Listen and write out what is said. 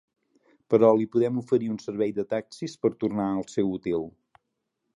Però li podem oferir un servei de taxis per tornar al seu hotel.